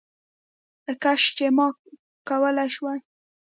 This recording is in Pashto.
کش چي ما کولې شواې